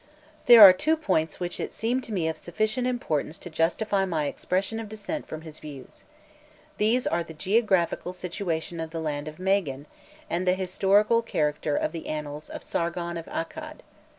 There are two points which seem to me of sufficient importance to justify my expression of dissent from his views. These are the geographical situation of the land of Magan, and the historical character of the annals of Sargon of Accad.